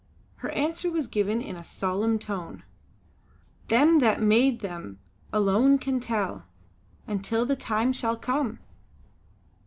Her answer was given in a solemn tone: "Them that made them alone can tell; until the time shall come!"